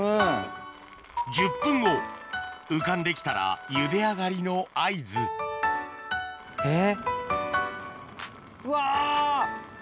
１０分後浮かんで来たらゆで上がりの合図えっ。